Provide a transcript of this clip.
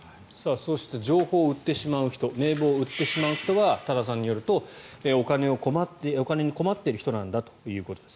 そして情報を売ってしまう人名簿を売ってしまう人は多田さんによるとお金に困っている人なんだということです。